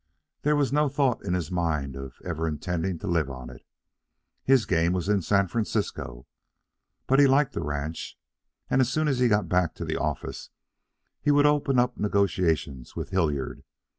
There was no thought in his mind of ever intending to live on it. His game was in San Francisco. But he liked the ranch, and as soon as he got back to the office he would open up negotiations with Hillard.